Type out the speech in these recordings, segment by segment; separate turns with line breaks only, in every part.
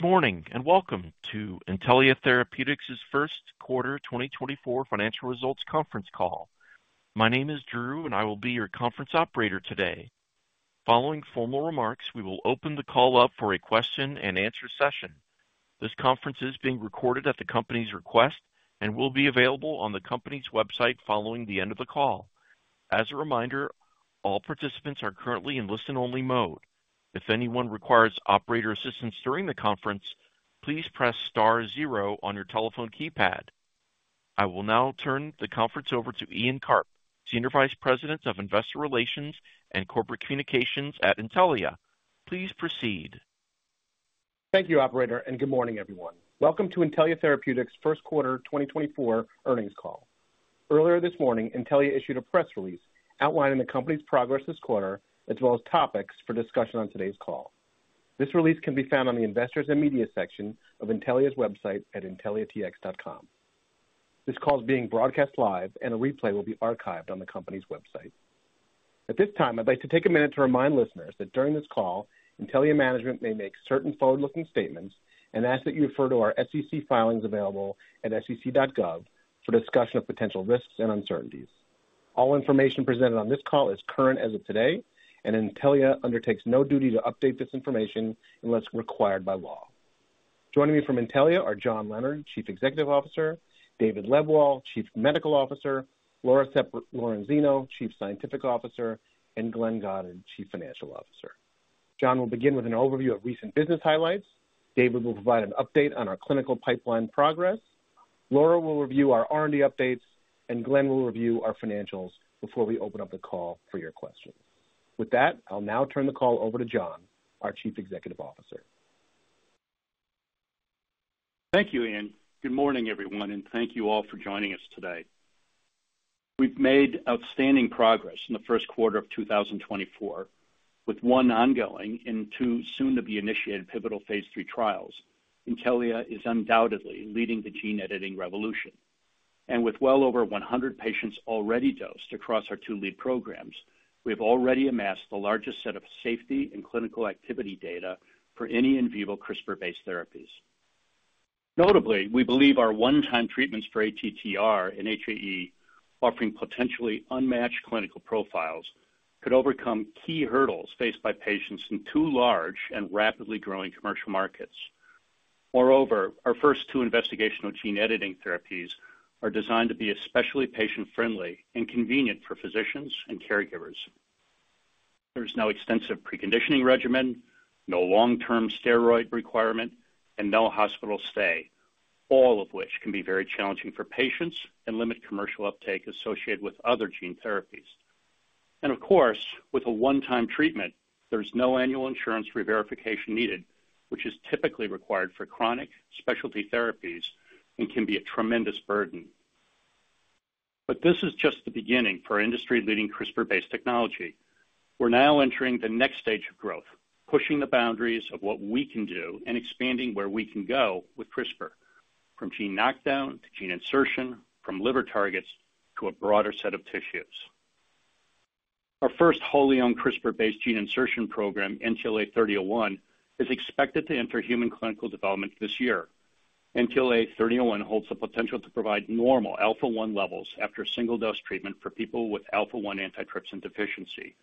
Good morning and welcome to Intellia Therapeutics' first quarter 2024 financial results conference call. My name is Drew, and I will be your conference operator today. Following formal remarks, we will open the call up for a question-and-answer session. This conference is being recorded at the company's request and will be available on the company's website following the end of the call. As a reminder, all participants are currently in listen-only mode. If anyone requires operator assistance during the conference, please press star zero on your telephone keypad. I will now turn the conference over to Ian Karp, Senior Vice President of Investor Relations and Corporate Communications at Intellia Therapeutics. Please proceed.
Thank you, operator, and good morning, everyone. Welcome to Intellia Therapeutics' first quarter 2024 earnings call. Earlier this morning, Intellia issued a press release outlining the company's progress this quarter as well as topics for discussion on today's call. This release can be found on the Investors and Media section of Intellia's website at intellia-tx.com. This call is being broadcast live, and a replay will be archived on the company's website. At this time, I'd like to take a minute to remind listeners that during this call, Intellia management may make certain forward-looking statements and ask that you refer to our SEC filings available at sec.gov for discussion of potential risks and uncertainties. All information presented on this call is current as of today, and Intellia undertakes no duty to update this information unless required by law. Joining me from Intellia are John Leonard, Chief Executive Officer; David Lebwohl, Chief Medical Officer; Laura Sepp-Lorenzino, Chief Scientific Officer; and Glenn Goddard, Chief Financial Officer. John will begin with an overview of recent business highlights. David will provide an update on our clinical pipeline progress. Laura will review our R&D updates. Glenn will review our financials before we open up the call for your questions. With that, I'll now turn the call over to John, our Chief Executive Officer.
Thank you, Ian. Good morning, everyone, and thank you all for joining us today. We've made outstanding progress in the first quarter of 2024, with one ongoing and two soon-to-be-initiated pivotal phase three trials. Intellia is undoubtedly leading the gene editing revolution. With well over 100 patients already dosed across our two lead programs, we have already amassed the largest set of safety and clinical activity data for any in vivo CRISPR-based therapies. Notably, we believe our one-time treatments for ATTR and HAE, offering potentially unmatched clinical profiles, could overcome key hurdles faced by patients in two large and rapidly growing commercial markets. Moreover, our first two investigational gene editing therapies are designed to be especially patient-friendly and convenient for physicians and caregivers. There is no extensive preconditioning regimen, no long-term steroid requirement, and no hospital stay, all of which can be very challenging for patients and limit commercial uptake associated with other gene therapies. And of course, with a one-time treatment, there is no annual insurance re-verification needed, which is typically required for chronic specialty therapies and can be a tremendous burden. But this is just the beginning for industry-leading CRISPR-based technology. We're now entering the next stage of growth, pushing the boundaries of what we can do and expanding where we can go with CRISPR, from gene knockdown to gene insertion, from liver targets to a broader set of tissues. Our first wholly-owned CRISPR-based gene insertion program, NTLA-3001, is expected to enter human clinical development this year. NTLA-3001 holds the potential to provide normal Alpha-1 levels after single-dose treatment for people with Alpha-1 antitrypsin deficiency.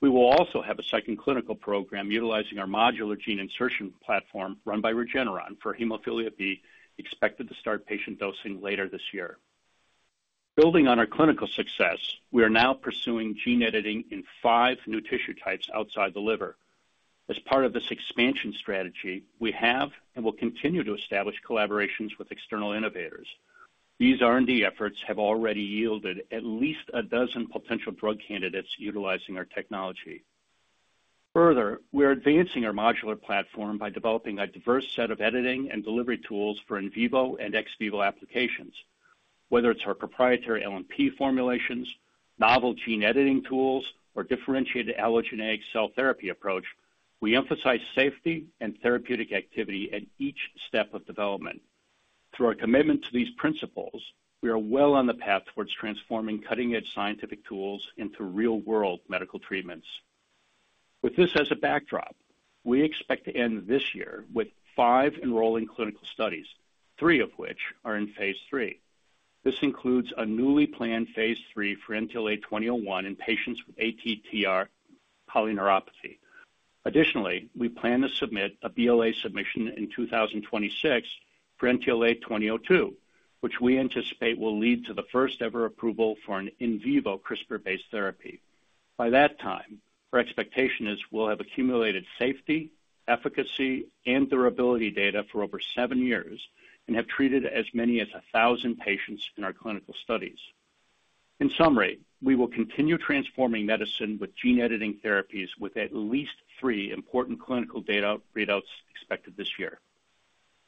We will also have a second clinical program utilizing our modular gene insertion platform run by Regeneron for Hemophilia B, expected to start patient dosing later this year. Building on our clinical success, we are now pursuing gene editing in five new tissue types outside the liver. As part of this expansion strategy, we have and will continue to establish collaborations with external innovators. These R&D efforts have already yielded at least a dozen potential drug candidates utilizing our technology. Further, we are advancing our modular platform by developing a diverse set of editing and delivery tools for in vivo and ex vivo applications. Whether it's our proprietary LNP formulations, novel gene editing tools, or differentiated allogeneic cell therapy approach, we emphasize safety and therapeutic activity at each step of development. Through our commitment to these principles, we are well on the path towards transforming cutting-edge scientific tools into real-world medical treatments. With this as a backdrop, we expect to end this year with five enrolling clinical studies, three of which are in phase III. This includes a newly planned phase III for NTLA-2001 in patients with ATTR polyneuropathy. Additionally, we plan to submit a BLA submission in 2026 for NTLA-2002, which we anticipate will lead to the first-ever approval for an in vivo CRISPR-based therapy. By that time, our expectation is we'll have accumulated safety, efficacy, and durability data for over seven years and have treated as many as 1,000 patients in our clinical studies. In summary, we will continue transforming medicine with gene editing therapies with at least three important clinical data readouts expected this year.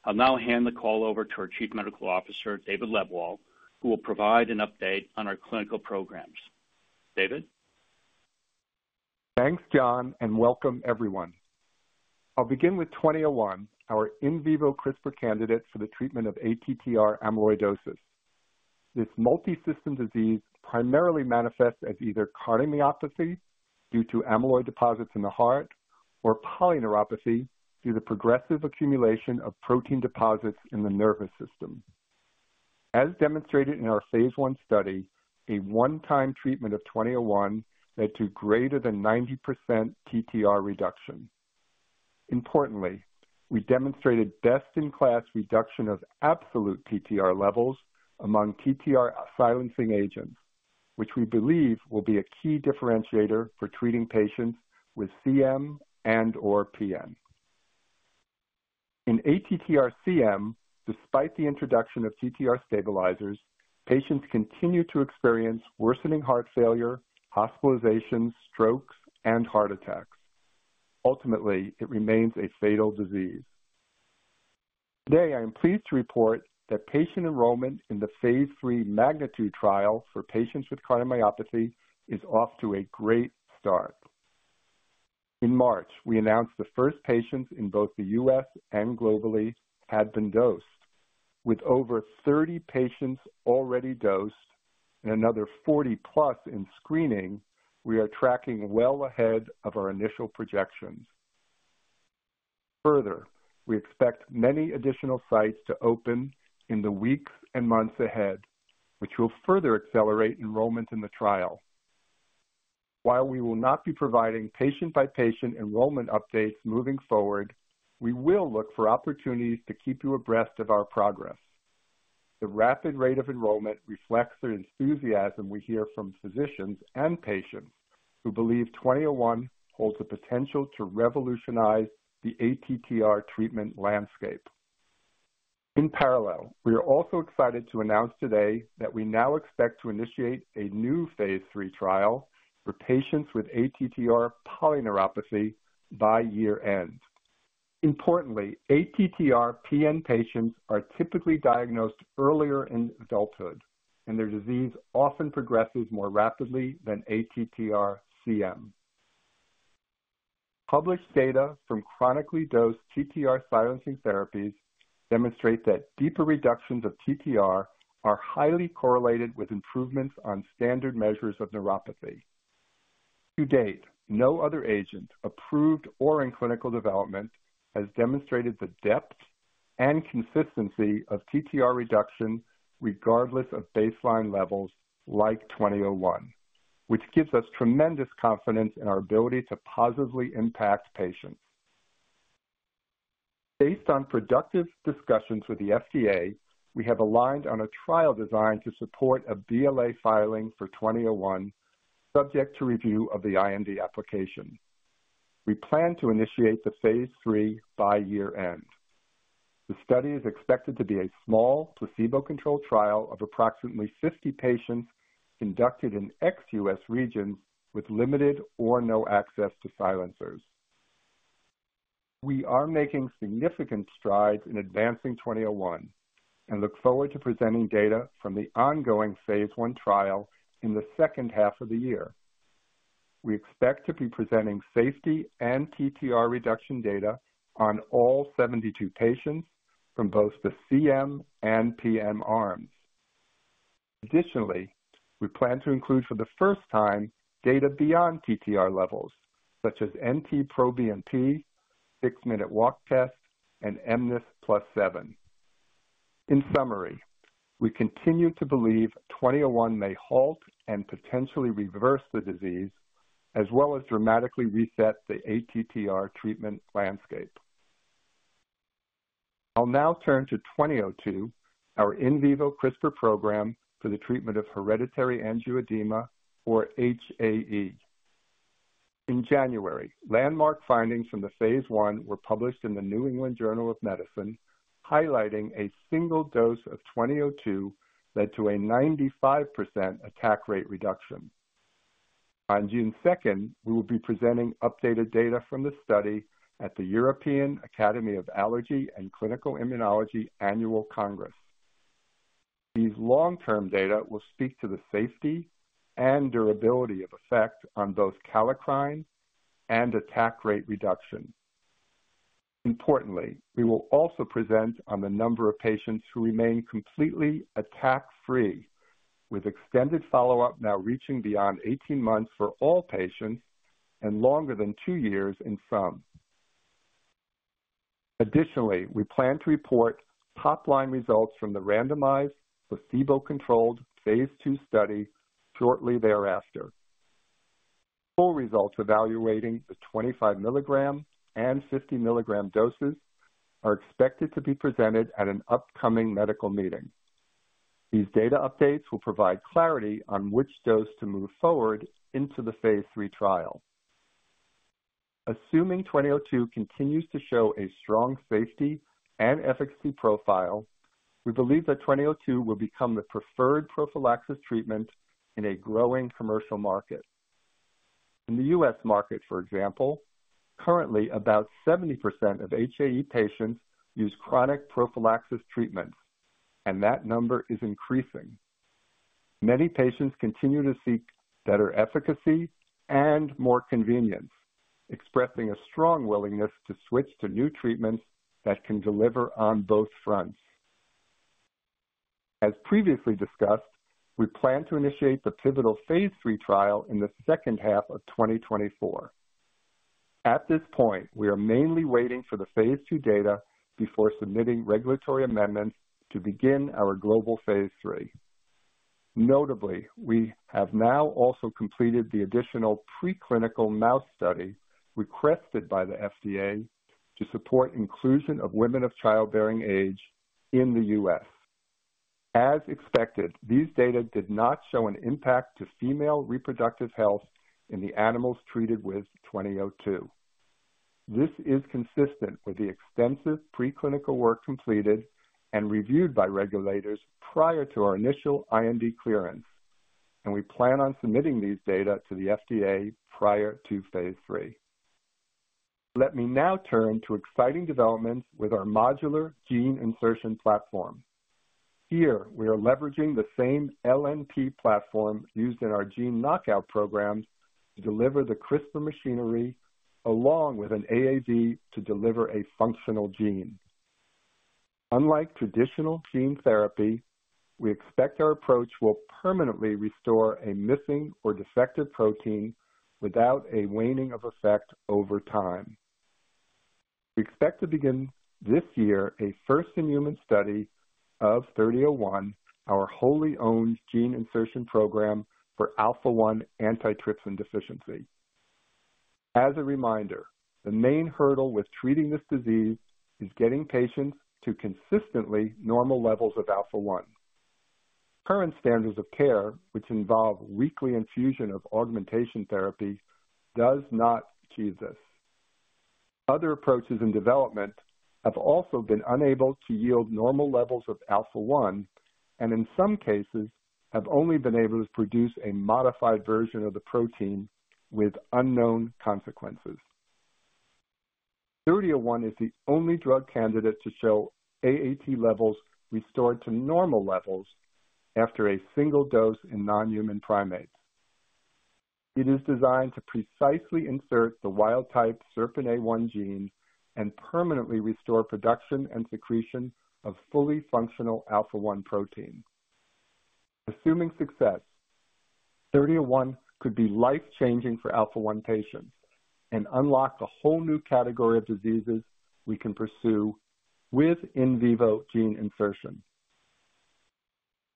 I'll now hand the call over to our Chief Medical Officer, David Lebwohl, who will provide an update on our clinical programs. David?
Thanks, John, and welcome, everyone. I'll begin with 2001, our in vivo CRISPR candidate for the treatment of ATTR amyloidosis. This multi-system disease primarily manifests as either cardiomyopathy due to amyloid deposits in the heart or polyneuropathy due to the progressive accumulation of protein deposits in the nervous system. As demonstrated in our phase I study, a one-time treatment of 2001 led to greater than 90% TTR reduction. Importantly, we demonstrated best-in-class reduction of absolute TTR levels among TTR silencing agents, which we believe will be a key differentiator for treating patients with CM and/or PN. In ATTR-CM, despite the introduction of TTR stabilizers, patients continue to experience worsening heart failure, hospitalizations, strokes, and heart attacks. Ultimately, it remains a fatal disease. Today, I am pleased to report that patient enrollment in the phase III MAGNITUDE trial for patients with cardiomyopathy is off to a great start. In March, we announced the first patients in both the U.S. and globally had been dosed. With over 30 patients already dosed and another 40+ in screening, we are tracking well ahead of our initial projections. Further, we expect many additional sites to open in the weeks and months ahead, which will further accelerate enrollment in the trial. While we will not be providing patient-by-patient enrollment updates moving forward, we will look for opportunities to keep you abreast of our progress. The rapid rate of enrollment reflects the enthusiasm we hear from physicians and patients who believe 2001 holds the potential to revolutionize the ATTR treatment landscape. In parallel, we are also excited to announce today that we now expect to initiate a new phase III trial for patients with ATTR polyneuropathy by year-end. Importantly, ATTR-PN patients are typically diagnosed earlier in adulthood, and their disease often progresses more rapidly than ATTR-CM. Published data from chronically dosed TTR silencing therapies demonstrate that deeper reductions of TTR are highly correlated with improvements on standard measures of neuropathy. To date, no other agent approved or in clinical development has demonstrated the depth and consistency of TTR reduction regardless of baseline levels like 2001, which gives us tremendous confidence in our ability to positively impact patients. Based on productive discussions with the FDA, we have aligned on a trial design to support a BLA filing for 2001 subject to review of the IND application. We plan to initiate the phase III by year-end. The study is expected to be a small placebo-controlled trial of approximately 50 patients conducted in ex-U.S. regions with limited or no access to silencers. We are making significant strides in advancing 2001 and look forward to presenting data from the ongoing phase I trial in the second half of the year. We expect to be presenting safety and TTR reduction data on all 72 patients from both the CM and PN arms. Additionally, we plan to include for the first time data beyond TTR levels, such as NT-proBNP, 6-minute walk test, and mNIS+7. In summary, we continue to believe 2001 may halt and potentially reverse the disease, as well as dramatically reset the ATTR treatment landscape. I'll now turn to 2002, our in vivo CRISPR program for the treatment of hereditary angioedema, or HAE. In January, landmark findings from the phase I were published in the New England Journal of Medicine, highlighting a single dose of 2002 led to a 95% attack rate reduction. On June 2nd, we will be presenting updated data from the study at the European Academy of Allergy and Clinical Immunology Annual Congress. These long-term data will speak to the safety and durability of effect on both Kallikrein and attack rate reduction. Importantly, we will also present on the number of patients who remain completely attack-free, with extended follow-up now reaching beyond 18 months for all patients and longer than two years in some. Additionally, we plan to report top-line results from the randomized, placebo-controlled phase II study shortly thereafter. Full results evaluating the 25 milligram and 50 milligram doses are expected to be presented at an upcoming medical meeting. These data updates will provide clarity on which dose to move forward into the phase III trial. Assuming 2002 continues to show a strong safety and efficacy profile, we believe that 2002 will become the preferred prophylaxis treatment in a growing commercial market. In the U.S. market, for example, currently about 70% of HAE patients use chronic prophylaxis treatments, and that number is increasing. Many patients continue to seek better efficacy and more convenience, expressing a strong willingness to switch to new treatments that can deliver on both fronts. As previously discussed, we plan to initiate the pivotal phase III trial in the second half of 2024. At this point, we are mainly waiting for the phase II data before submitting regulatory amendments to begin our global phase III. Notably, we have now also completed the additional preclinical mouse study requested by the FDA to support inclusion of women of childbearing age in the U.S.. As expected, these data did not show an impact to female reproductive health in the animals treated with 2002. This is consistent with the extensive preclinical work completed and reviewed by regulators prior to our initial IMD clearance, and we plan on submitting these data to the FDA prior to phase III. Let me now turn to exciting developments with our modular gene insertion platform. Here, we are leveraging the same LNP platform used in our gene knockout programs to deliver the CRISPR machinery along with an AAV to deliver a functional gene. Unlike traditional gene therapy, we expect our approach will permanently restore a missing or defective protein without a waning of effect over time. We expect to begin this year a first-in-human study of 3001, our wholly-owned gene insertion program for alpha-1 antitrypsin deficiency. As a reminder, the main hurdle with treating this disease is getting patients to consistently normal levels of alpha-1. Current standards of care, which involve weekly infusion of augmentation therapy, do not achieve this. Other approaches in development have also been unable to yield normal levels of alpha-1 and, in some cases, have only been able to produce a modified version of the protein with unknown consequences. 3001 is the only drug candidate to show AAT levels restored to normal levels after a single dose in non-human primates. It is designed to precisely insert the wild-type SERPINA1 gene and permanently restore production and secretion of fully functional alpha-1 protein. Assuming success, 3001 could be life-changing for alpha-1 patients and unlock a whole new category of diseases we can pursue with in vivo gene insertion.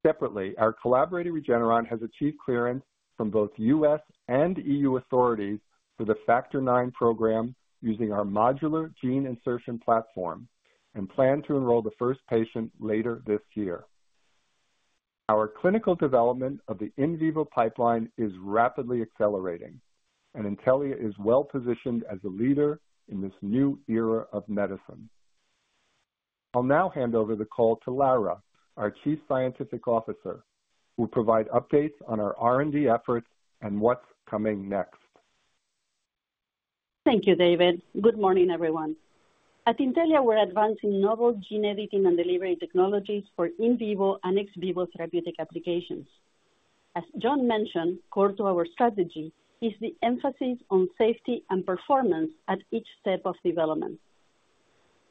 Separately, our collaborating Regeneron has achieved clearance from both U.S.. EU authorities for the Factor IX program using our modular gene insertion platform and plan to enroll the first patient later this year. Our clinical development of the in vivo pipeline is rapidly accelerating, and Intellia is well-positioned as a leader in this new era of medicine. I'll now hand over the call to Laura, our Chief Scientific Officer, who will provide updates on our R&D efforts and what's coming next.
Thank you, David. Good morning, everyone. At Intellia, we're advancing novel gene editing and delivery technologies for in vivo and ex vivo therapeutic applications. As John mentioned, core to our strategy is the emphasis on safety and performance at each step of development.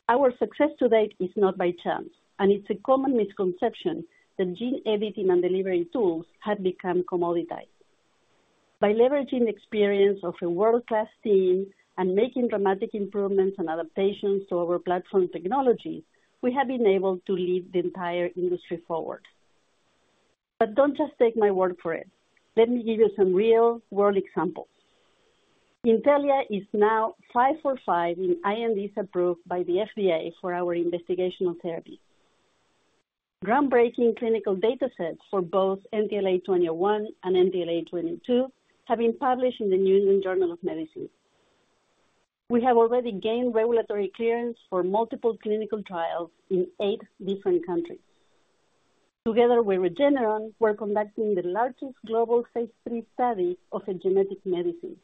Our success to date is not by chance, and it's a common misconception that gene editing and delivery tools have become commoditized. By leveraging the experience of a world-class team and making dramatic improvements and adaptations to our platform technologies, we have been able to lead the entire industry forward. But don't just take my word for it. Let me give you some real-world examples. Intellia is now five for five in INDs approved by the FDA for our investigational therapies. Groundbreaking clinical datasets for both NTLA-2001 and NTLA-2002 have been published in the New England Journal of Medicine. We have already gained regulatory clearance for multiple clinical trials in eight different countries. Together with Regeneron, we're conducting the largest global phase III study of a genetic medicine.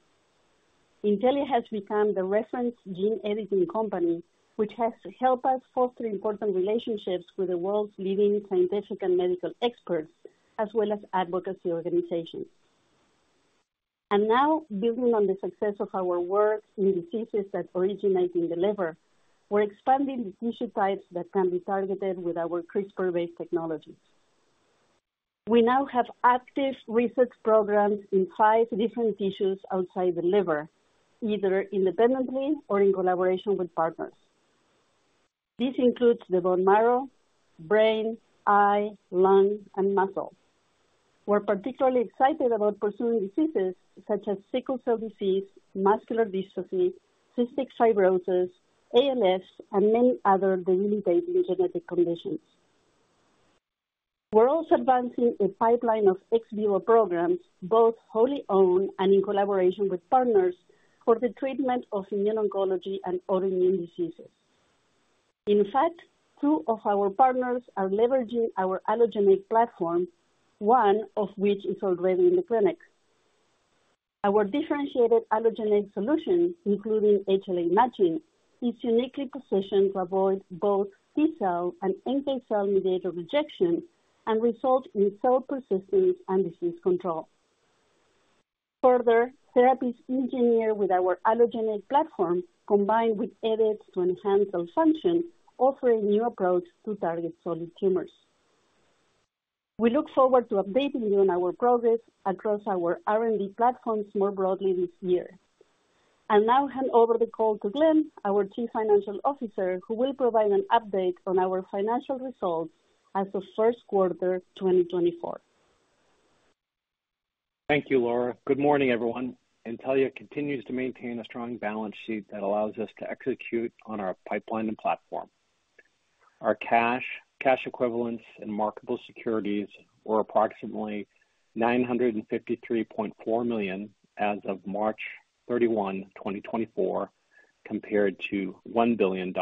Intellia has become the reference gene editing company, which has helped us foster important relationships with the world's leading scientific and medical experts, as well as advocacy organizations. And now, building on the success of our work in diseases that originate in the liver, we're expanding the tissue types that can be targeted with our CRISPR-based technologies. We now have active research programs in five different tissues outside the liver, either independently or in collaboration with partners. This includes the bone marrow, brain, eye, lung, and muscle. We're particularly excited about pursuing diseases such as sickle cell disease, muscular dystrophy, cystic fibrosis, ALS, and many other debilitating genetic conditions. We're also advancing a pipeline of ex vivo programs, both wholly-owned and in collaboration with partners, for the treatment of immune oncology and autoimmune diseases. In fact, two of our partners are leveraging our allogeneic platform, one of which is already in the clinic. Our differentiated allogeneic solution, including HLA matching, is uniquely positioned to avoid both T-cell and NK cell mediator rejection and result in cell persistence and disease control. Further, therapies engineered with our allogeneic platform, combined with edits to enhance cell function, offer a new approach to target solid tumors. We look forward to updating you on our progress across our R&D platforms more broadly this year. I'll now hand over the call to Glenn, our Chief Financial Officer, who will provide an update on our financial results as of first quarter 2024.
Thank you, Laura. Good morning, everyone. Intellia continues to maintain a strong balance sheet that allows us to execute on our pipeline and platform. Our cash, cash equivalents, and marketable securities were approximately $953.4 million as of March 31, 2024, compared to $1 billion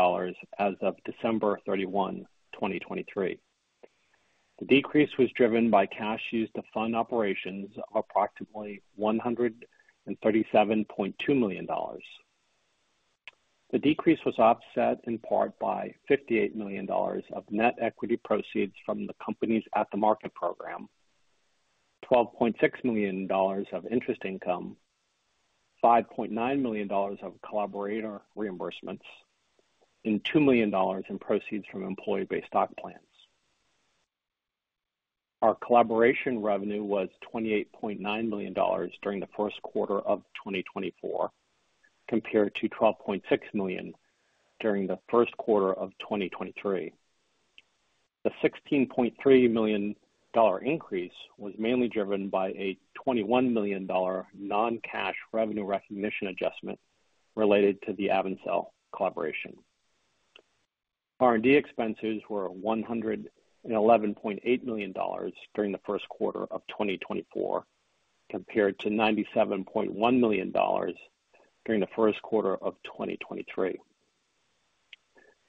as of December 31, 2023. The decrease was driven by cash used to fund operations of approximately $137.2 million. The decrease was offset in part by $58 million of net equity proceeds from the company's at-the-market program, $12.6 million of interest income, $5.9 million of collaborator reimbursements, and $2 million in proceeds from employee-based stock plans. Our collaboration revenue was $28.9 million during the first quarter of 2024, compared to $12.6 million during the first quarter of 2023. The $16.3 million increase was mainly driven by a $21 million non-cash revenue recognition adjustment related to the AvenCell collaboration. R&D expenses were $111.8 million during the first quarter of 2024, compared to $97.1 million during the first quarter of 2023.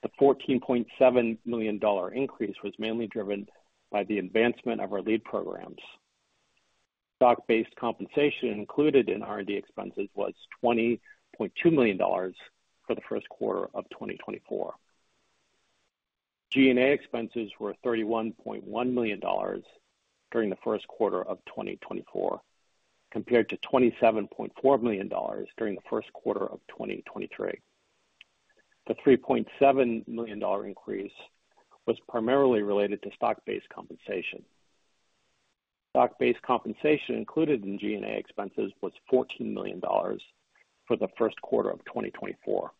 The $14.7 million increase was mainly driven by the advancement of our lead programs. Stock-based compensation included in R&D expenses was $20.2 million for the first quarter of 2024. G&A expenses were $31.1 million during the first quarter of 2024, compared to $27.4 million during the first quarter of 2023. The $3.7 million increase was primarily related to stock-based compensation. Stock-based compensation included in G&A expenses was $14 million for the first quarter of 2024.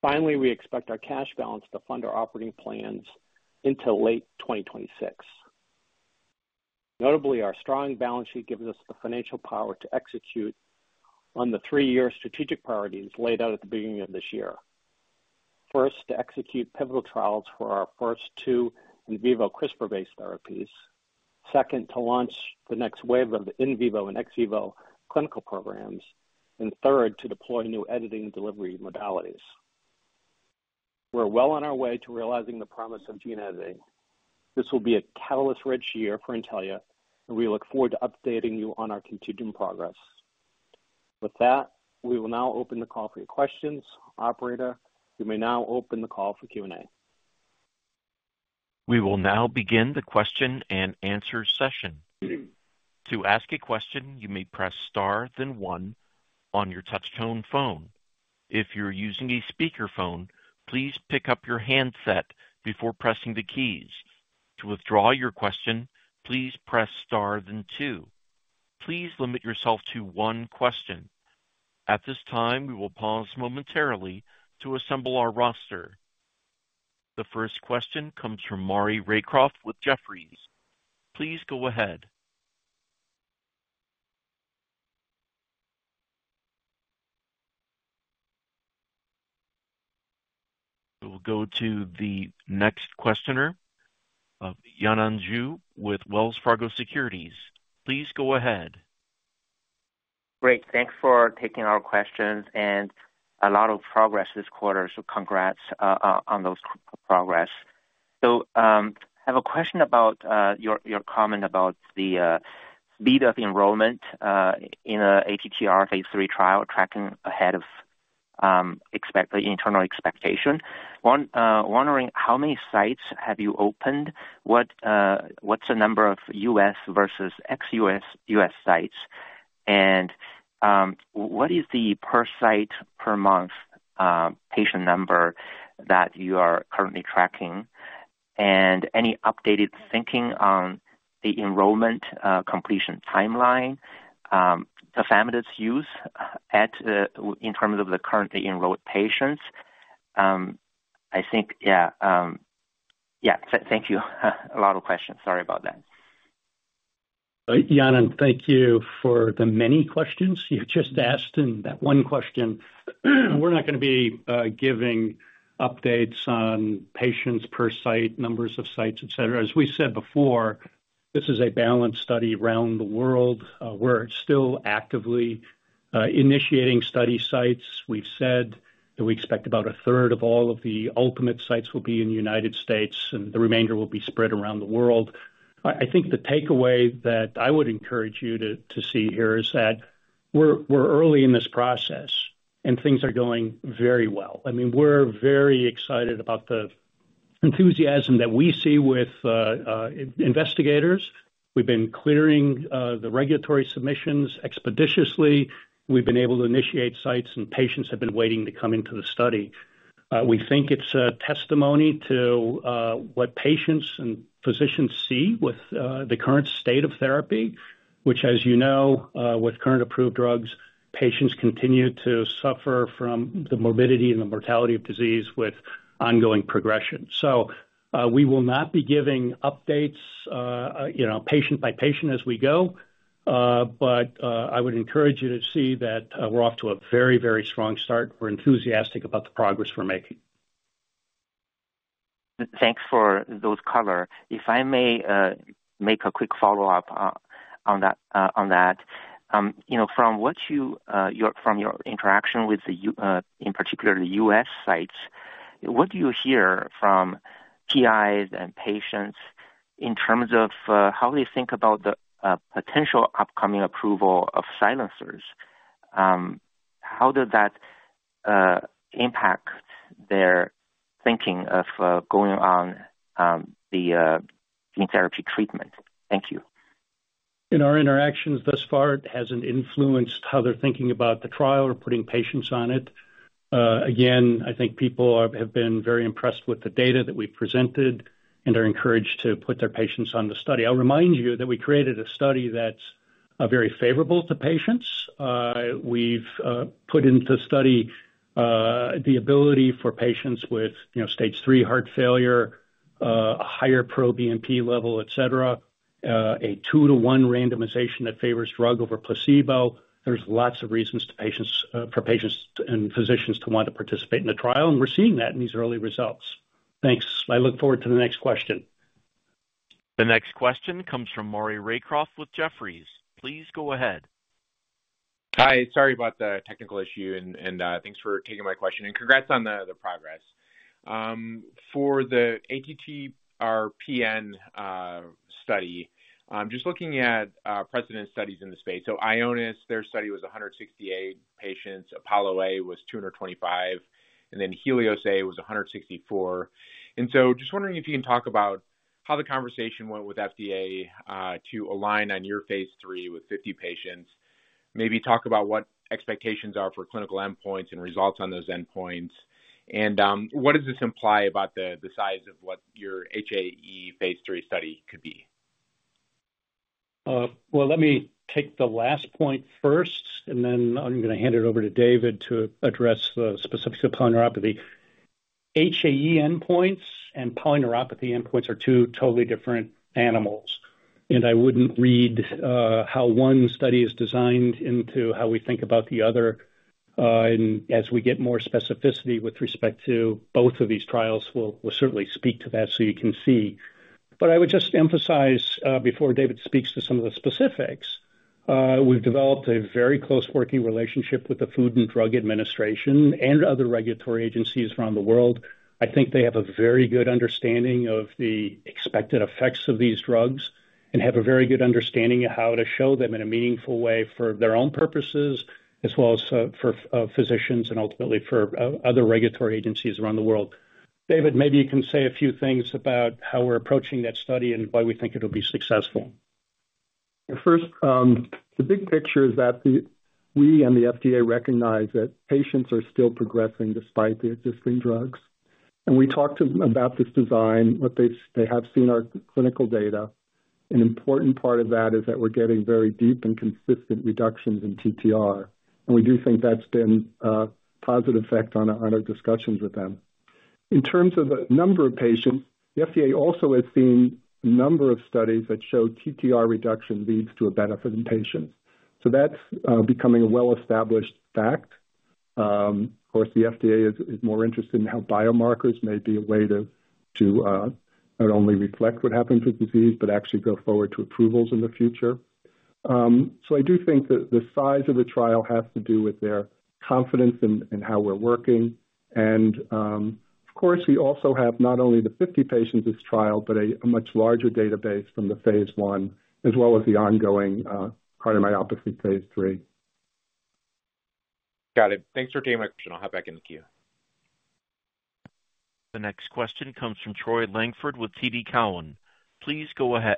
Finally, we expect our cash balance to fund our operating plans into late 2026. Notably, our strong balance sheet gives us the financial power to execute on the three-year strategic priorities laid out at the beginning of this year. First, to execute pivotal trials for our first two in vivo CRISPR-based therapies. Second, to launch the next wave of in vivo and ex vivo clinical programs. And third, to deploy new editing and delivery modalities. We're well on our way to realizing the promise of gene editing. This will be a catalyst-rich year for Intellia, and we look forward to updating you on our continued progress. With that, we will now open the call for your questions. Operator, you may now open the call for Q&A.
We will now begin the question and answer session. To ask a question, you may press star, then one, on your touch-tone phone. If you're using a speakerphone, please pick up your handset before pressing the keys. To withdraw your question, please press star, then two. Please limit yourself to one question. At this time, we will pause momentarily to assemble our roster. The first question comes from Maury Raycroft with Jefferies. Please go ahead. We will go to the next questioner of Yanan Zhu with Wells Fargo Securities. Please go ahead.
Great. Thanks for taking our questions and a lot of progress this quarter, so congrats on that progress. So I have a question about your comment about the speed of enrollment in an ATTR phase III trial tracking ahead of internal expectation. Wondering how many sites have you opened? What's the number of U.S. versus ex-U.S. sites? And what is the per-site, per-month patient number that you are currently tracking? And any updated thinking on the enrollment completion timeline, definitive use in terms of the currently enrolled patients? I think, yeah. Yeah, thank you. A lot of questions. Sorry about that.
Yanan, thank you for the many questions you just asked and that one question. We're not going to be giving updates on patients per site, numbers of sites, etc. As we said before, this is a balanced study around the world. We're still actively initiating study sites. We've said that we expect about a third of all of the ultimate sites will be in the United States, and the remainder will be spread around the world. I think the takeaway that I would encourage you to see here is that we're early in this process, and things are going very well. I mean, we're very excited about the enthusiasm that we see with investigators. We've been clearing the regulatory submissions expeditiously. We've been able to initiate sites, and patients have been waiting to come into the study. We think it's a testimony to what patients and physicians see with the current state of therapy, which, as you know, with current approved drugs, patients continue to suffer from the morbidity and the mortality of disease with ongoing progression. So we will not be giving updates patient by patient as we go, but I would encourage you to see that we're off to a very, very strong start. We're enthusiastic about the progress we're making.
Thanks for that color. If I may make a quick follow-up on that. From what you hear from your interaction with, in particular, the U.S. sites, what do you hear from PIs and patients in terms of how they think about the potential upcoming approval of silencers? How does that impact their thinking of going on the gene therapy treatment? Thank you.
In our interactions thus far, it hasn't influenced how they're thinking about the trial or putting patients on it. Again, I think people have been very impressed with the data that we presented and are encouraged to put their patients on the study. I'll remind you that we created a study that's very favorable to patients. We've put into the study the ability for patients with stage three heart failure, a higher pro-BNP level, etc., a 2-to-1 randomization that favors drug over placebo. There's lots of reasons for patients and physicians to want to participate in the trial, and we're seeing that in these early results. Thanks. I look forward to the next question.
The next question comes from Maury Raycroft with Jefferies. Please go ahead.
Hi. Sorry about the technical issue, and thanks for taking my question. Congrats on the progress. For the ATTR-PN study, I'm just looking at precedent studies in the space. Ionis, their study was 168 patients. APOLLO-A was 225, and then HELIOS-A was 164. Just wondering if you can talk about how the conversation went with FDA to align on your phase III with 50 patients, maybe talk about what expectations are for clinical endpoints and results on those endpoints, and what does this imply about the size of what your HAE phase III study could be?
Well, let me take the last point first, and then I'm going to hand it over to David to address the specifics of polyneuropathy. HAE endpoints and polyneuropathy endpoints are two totally different animals, and I wouldn't read how one study is designed into how we think about the other. As we get more specificity with respect to both of these trials, we'll certainly speak to that so you can see. But I would just emphasize before David speaks to some of the specifics, we've developed a very close working relationship with the Food and Drug Administration and other regulatory agencies around the world. I think they have a very good understanding of the expected effects of these drugs and have a very good understanding of how to show them in a meaningful way for their own purposes, as well as for physicians and ultimately for other regulatory agencies around the world. David, maybe you can say a few things about how we're approaching that study and why we think it'll be successful.
First, the big picture is that we and the FDA recognize that patients are still progressing despite the existing drugs. We talked about this design, what they have seen in our clinical data. An important part of that is that we're getting very deep and consistent reductions in TTR, and we do think that's been a positive effect on our discussions with them. In terms of the number of patients, the FDA also has seen a number of studies that show TTR reduction leads to a benefit in patients. So that's becoming a well-established fact. Of course, the FDA is more interested in how biomarkers may be a way to not only reflect what happens with disease but actually go forward to approvals in the future. So I do think that the size of the trial has to do with their confidence in how we're working. Of course, we also have not only the 50 patients this trial but a much larger database from the phase I, as well as the ongoing cardiomyopathy phase III.
Got it. Thanks for taking my question. I'll hop back in the queue.
The next question comes from Troy Langford with TD Cowen. Please go ahead.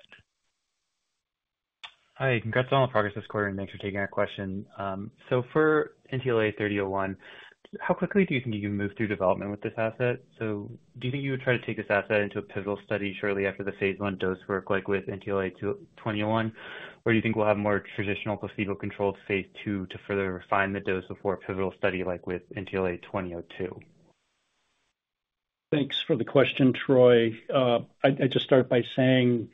Hi. Congrats on all the progress this quarter, and thanks for taking our question. For NTLA-3001, how quickly do you think you can move through development with this asset? Do you think you would try to take this asset into a pivotal study shortly after the phase one dose work, like with NTLA-2001, or do you think we'll have more traditional placebo-controlled phase two to further refine the dose before a pivotal study, like with NTLA-2002?
Thanks for the question, Troy. I'd just start by saying,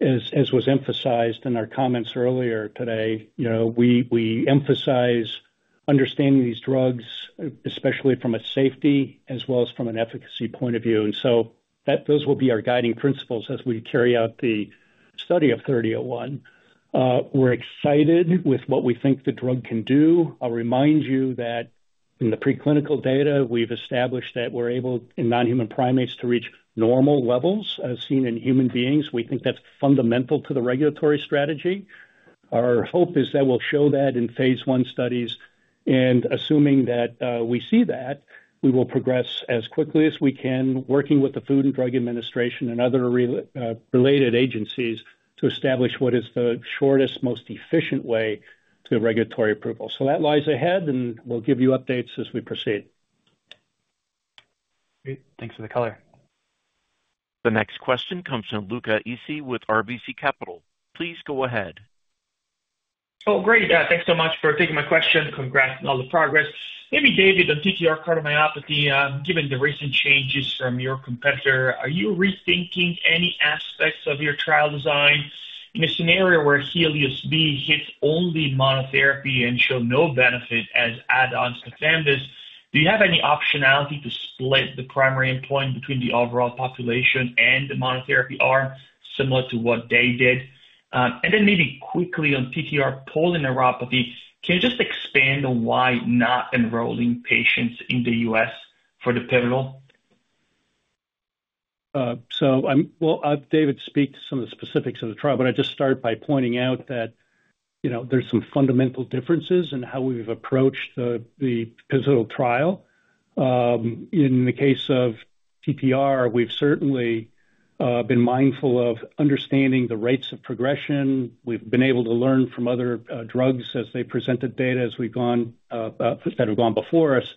as was emphasized in our comments earlier today, we emphasize understanding these drugs, especially from a safety as well as from an efficacy point of view. And so those will be our guiding principles as we carry out the study of 3001. We're excited with what we think the drug can do. I'll remind you that in the preclinical data, we've established that we're able in non-human primates to reach normal levels as seen in human beings. We think that's fundamental to the regulatory strategy. Our hope is that we'll show that in phase one studies. And assuming that we see that, we will progress as quickly as we can, working with the Food and Drug Administration and other related agencies to establish what is the shortest, most efficient way to regulatory approval. So that lies ahead, and we'll give you updates as we proceed.
Great. Thanks for the color.
The next question comes from Luca Issi with RBC Capital. Please go ahead.
Oh, great. Thanks so much for taking my question. Congrats on all the progress. Maybe David, on TTR cardiomyopathy, given the recent changes from your competitor, are you rethinking any aspects of your trial design in a scenario where HELIOS-B hits only monotherapy and shows no benefit as add-ons to tafamidis..? Do you have any optionality to split the primary endpoint between the overall population and the monotherapy arm, similar to what they did? And then maybe quickly on TTR polyneuropathy, can you just expand on why not enrolling patients in the U.S. for the pivotal?
So, well, David, speak to some of the specifics of the trial, but I'd just start by pointing out that there's some fundamental differences in how we've approached the pivotal trial. In the case of TTR, we've certainly been mindful of understanding the rates of progression. We've been able to learn from other drugs as they presented data that have gone before us,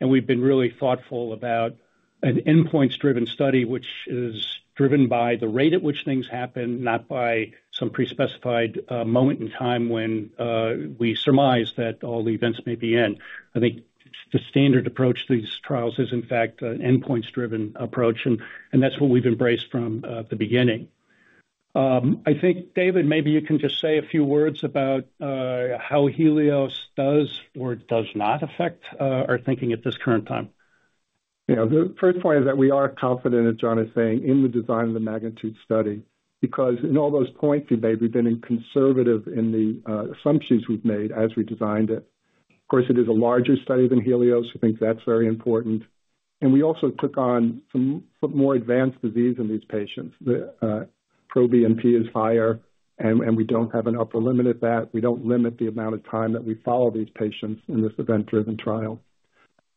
and we've been really thoughtful about an endpoints-driven study, which is driven by the rate at which things happen, not by some prespecified moment in time when we surmise that all events may be in. I think the standard approach to these trials is, in fact, an endpoints-driven approach, and that's what we've embraced from the beginning. I think, David, maybe you can just say a few words about how HELIOS does or does not affect our thinking at this current time.
The first point is that we are confident, as John is saying, in the design of the MAGNITUDE study because in all those points, we've been conservative in the assumptions we've made as we designed it. Of course, it is a larger study than HELIOS, so I think that's very important. And we also took on some more advanced disease in these patients. The pro-BNP is higher, and we don't have an upper limit at that. We don't limit the amount of time that we follow these patients in this event-driven trial.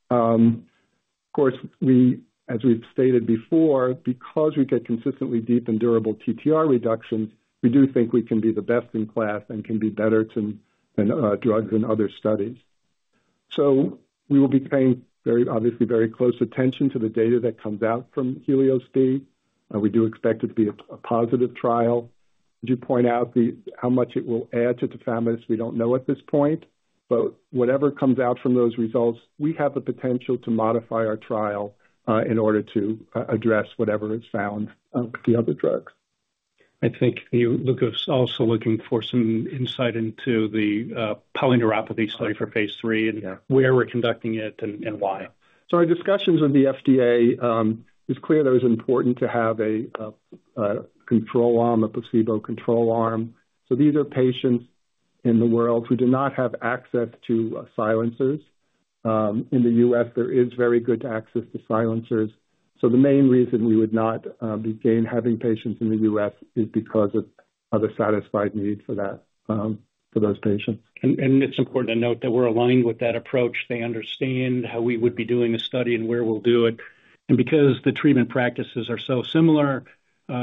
Of course, as we've stated before, because we get consistently deep and durable TTR reductions, we do think we can be the best in class and can be better than drugs in other studies. So we will be paying obviously very close attention to the data that comes out from HELIOS-B. We do expect it to be a positive trial. As you point out, how much it will add to tafamidis.., we don't know at this point, but whatever comes out from those results, we have the potential to modify our trial in order to address whatever is found with the other drugs.
I think you, Luca, are also looking for some insight into the polyneuropathy study for phase III and where we're conducting it and why.
So our discussions with the FDA, it's clear that it was important to have a control arm, a placebo control arm. So these are patients in the world who do not have access to silencers. In the U.S., there is very good access to silencers. So the main reason we would not begin having patients in the U.S. is because of the satisfied need for those patients.
It's important to note that we're aligned with that approach. They understand how we would be doing the study and where we'll do it. And because the treatment practices are so similar,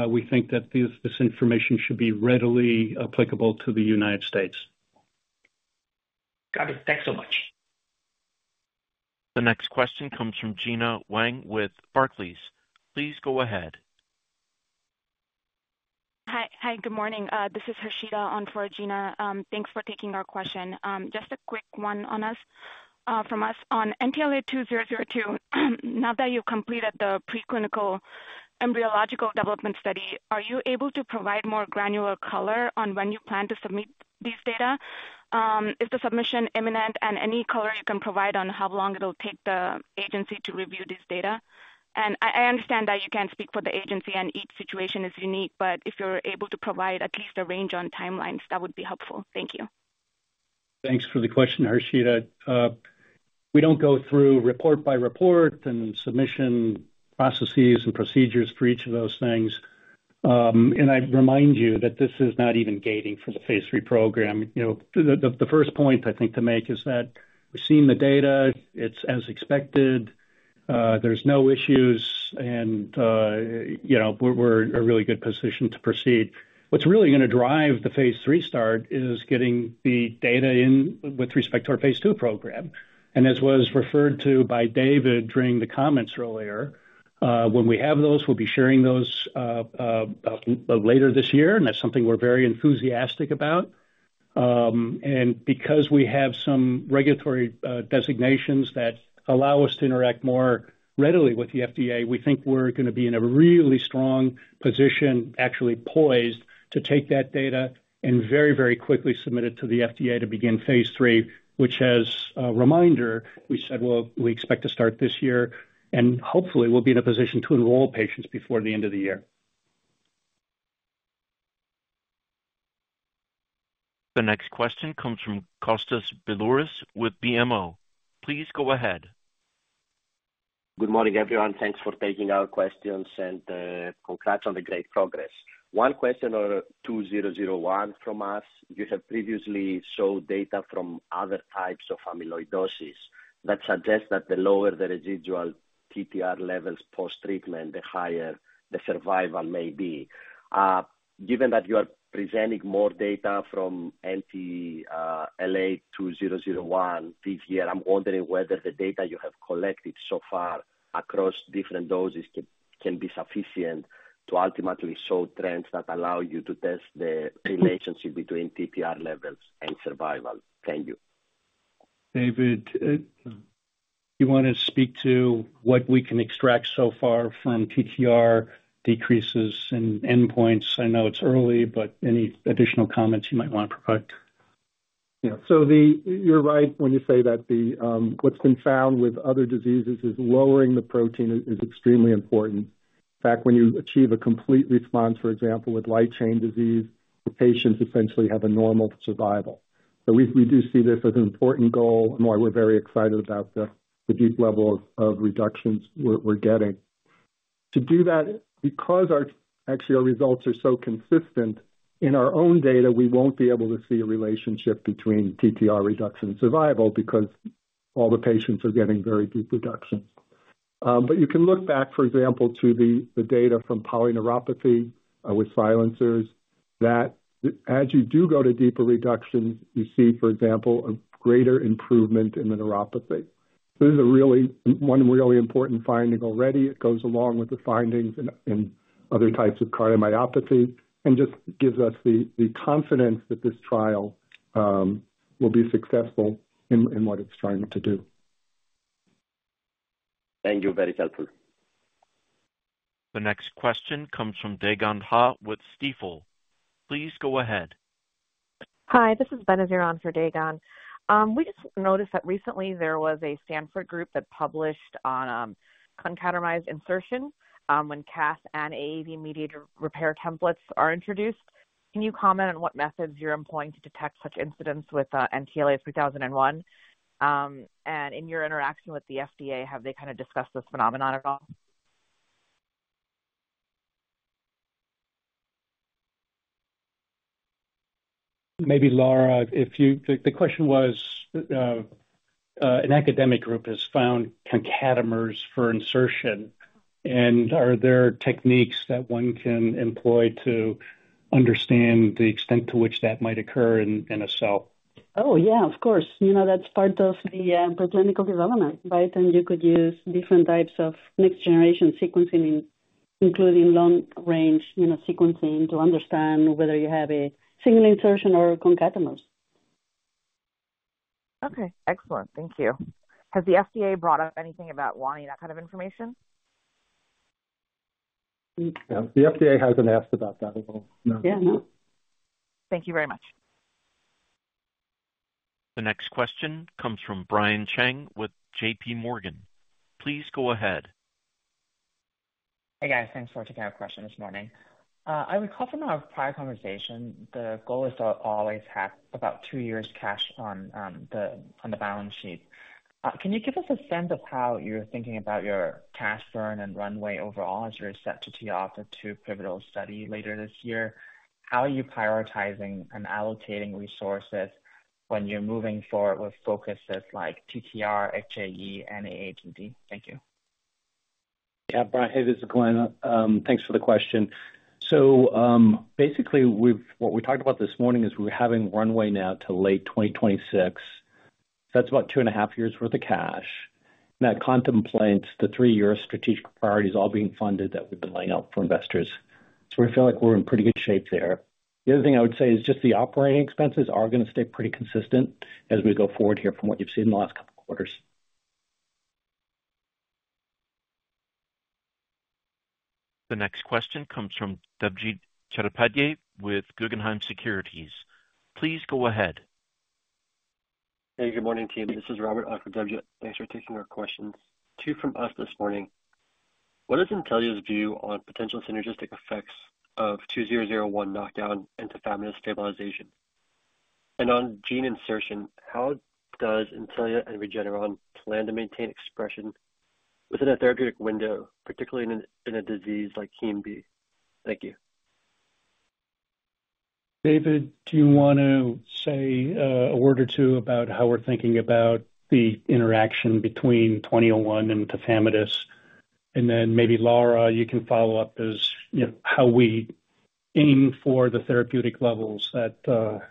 we think that this information should be readily applicable to the United States.
Got it. Thanks so much.
The next question comes from Gena Wang with Barclays. Please go ahead.
Hi. Good morning. This is Harshita on for Gena. Thanks for taking our question. Just a quick one from us. On NTLA-2002, now that you've completed the preclinical embryological development study, are you able to provide more granular color on when you plan to submit these data? Is the submission imminent, and any color you can provide on how long it'll take the agency to review these data? And I understand that you can't speak for the agency and each situation is unique, but if you're able to provide at least a range on timelines, that would be helpful. Thank you.
Thanks for the question, Harshita. We don't go through report by report and submission processes and procedures for each of those things. I remind you that this is not even gating for the phase III program. The first point, I think, to make is that we've seen the data. It's as expected. There's no issues, and we're in a really good position to proceed. What's really going to drive the phase III start is getting the data in with respect to our phase II program. And as was referred to by David during the comments earlier, when we have those, we'll be sharing those later this year, and that's something we're very enthusiastic about. Because we have some regulatory designations that allow us to interact more readily with the FDA, we think we're going to be in a really strong position, actually poised, to take that data and very, very quickly submit it to the FDA to begin phase III, which, as a reminder, we said, "Well, we expect to start this year," and hopefully, we'll be in a position to enroll patients before the end of the year.
The next question comes from Kostas Biliouris with BMO. Please go ahead.
Good morning, everyone. Thanks for taking our questions, and congrats on the great progress. One question on NTLA-2001 from us. You have previously shown data from other types of amyloidosis that suggests that the lower the residual TTR levels post-treatment, the higher the survival may be. Given that you are presenting more data from NTLA-2001 this year, I'm wondering whether the data you have collected so far across different doses can be sufficient to ultimately show trends that allow you to test the relationship between TTR levels and survival. Thank you.
David, do you want to speak to what we can extract so far from TTR decreases in endpoints? I know it's early, but any additional comments you might want to provide?
So you're right when you say that what's been found with other diseases is lowering the protein is extremely important. In fact, when you achieve a complete response, for example, with light chain disease, patients essentially have a normal survival. So we do see this as an important goal, and why we're very excited about the deep level of reductions we're getting. To do that, because actually our results are so consistent, in our own data, we won't be able to see a relationship between TTR reduction and survival because all the patients are getting very deep reductions. But you can look back, for example, to the data from polyneuropathy with silencers that as you do go to deeper reductions, you see, for example, a greater improvement in the neuropathy. So this is one really important finding already. It goes along with the findings in other types of cardiomyopathy and just gives us the confidence that this trial will be successful in what it's trying to do.
Thank you. Very helpful.
The next question comes from Dae Gon Ha with Stifel. Please go ahead.
Hi. This is Ben Azirian for Dae Gon Ha. We just noticed that recently, there was a Stanford group that published on concatemer insertion when CAS and AAV-mediated repair templates are introduced. Can you comment on what methods you're employing to detect such incidents with NTLA-3001? And in your interaction with the FDA, have they kind of discussed this phenomenon at all?
Maybe Laura, if you the question was, an academic group has found concatemers for insertion, and are there techniques that one can employ to understand the extent to which that might occur in a cell?
Oh, yeah. Of course. That's part of the preclinical development, right? And you could use different types of next-generation sequencing, including long-range sequencing, to understand whether you have a single insertion or concatemers.
Okay. Excellent. Thank you. Has the FDA brought up anything about wanting that kind of information?
The FDA hasn't asked about that at all.
Yeah. No.
Thank you very much.
The next question comes from Brian Cheng with JPMorgan. Please go ahead.
Hey, guys. Thanks for taking our question this morning. I recall from our prior conversation, the goal is to always have about two years cash on the balance sheet. Can you give us a sense of how you're thinking about your cash burn and runway overall as you're set to tee off the two pivotal studies later this year? How are you prioritizing and allocating resources when you're moving forward with focuses like TTR, HAE, and AATD? Thank you.
Yeah. Brian, hey, this is Glenn. Thanks for the question. So basically, what we talked about this morning is we're having runway now to late 2026. So that's about two and a half years' worth of cash. And that contemplates the three-year strategic priorities all being funded that we've been laying out for investors. So we feel like we're in pretty good shape there. The other thing I would say is just the operating expenses are going to stay pretty consistent as we go forward here from what you've seen in the last couple of quarters.
The next question comes from Debjit Chattopadhyay with Guggenheim Securities. Please go ahead.
Hey, good morning, team. This is Robert Ott with Debjit. Thanks for taking our questions. Two from us this morning. What is Intellia's view on potential synergistic effects of 2001 knockdown and tafamidis.. stabilization? And on gene insertion, how does Intellia and Regeneron plan to maintain expression within a therapeutic window, particularly in a disease like hemophilia B? Thank you.
David, do you want to say a word or two about how we're thinking about the interaction between 2001 and tafamidis..? And then maybe, Laura, you can follow up on how we aim for the therapeutic levels that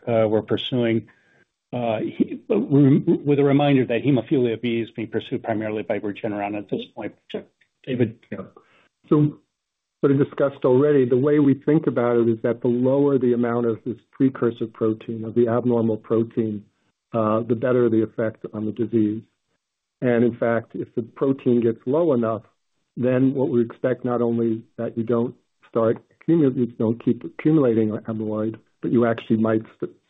we're pursuing with a reminder that Hemophilia B is being pursued primarily by Regeneron at this point. David?
Yeah. So what I discussed already, the way we think about it is that the lower the amount of this precursor protein, of the abnormal protein, the better the effect on the disease. And in fact, if the protein gets low enough, then what we expect, not only that you don't keep accumulating amyloid, but you actually might